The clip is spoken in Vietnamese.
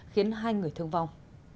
khiến hai người thương vong